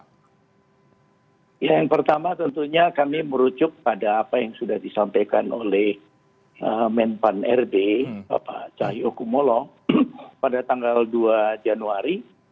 yang pertama tentunya kami merucuk pada apa yang sudah disampaikan oleh men pan rd cahyokumolo pada tanggal dua januari